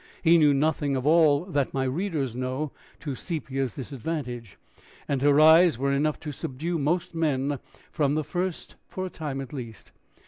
He knew nothing of all that my readers know to Sepia's disadvantage, and her eyes were enough to subdue most men from the first for a time at least.